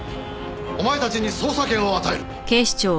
お前たちに捜査権を与える。